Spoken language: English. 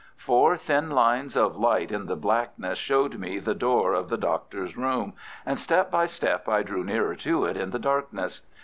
Four thin lines of light in the blackness showed me the door of the Doctor's room, and step by step I drew nearer to it in the darkness.